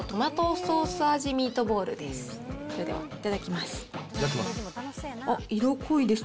それではいただきます。